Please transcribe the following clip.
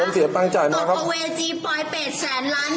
ผมเสียตั้งจ่ายมาครับตกเอาเวจีปลอยเป็ดแสนล้าน